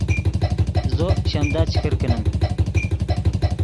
زو شیمدا چے کرکینیم